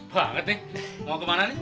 banget nih mau ke mana nih